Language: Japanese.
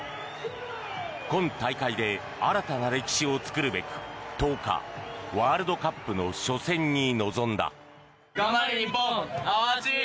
今大会で新たな歴史を作るべく１０日ワールドカップの初戦に臨んだ。